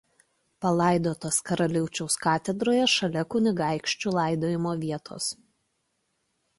Palaidotas Karaliaučiaus katedroje šalia kunigaikščių laidojimo vietos.